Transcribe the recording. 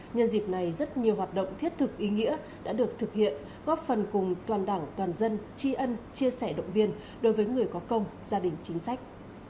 nhân dịp này rất nhiều hoạt động thiết thực ý nghĩa đã được thực hiện góp phần cùng toàn đảng toàn dân chi ân chia sẻ động viên đối với người có công gia đình chính sách